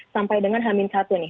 sampai dengan hamin satu nih